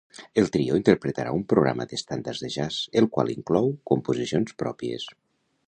El trio interpretarà un programa d’estàndards de jazz, el qual inclou composicions pròpies.